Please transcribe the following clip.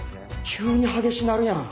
急に激しなるやん！